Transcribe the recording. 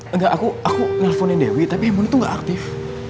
engga aku aku nelfonin dewi tapi emon tuh gak aktif